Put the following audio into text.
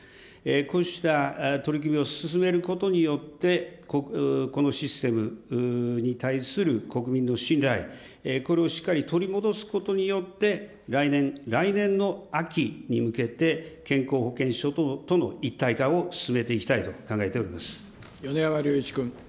こうした取り組みを進めることによって、このシステムに対する国民の信頼、これをしっかり取り戻すことによって、来年、来年の秋に向けて健康保険証との一体化を進めていきたいと考えて米山隆一君。